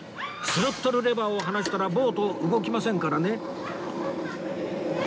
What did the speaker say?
スロットルレバーを離したらボート動きませんからね